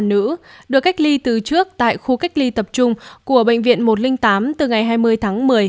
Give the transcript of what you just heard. trong đó có ba trường hợp được cách ly từ trước tại khu cách ly tập trung của bệnh viện một trăm linh tám từ ngày hai mươi tháng một mươi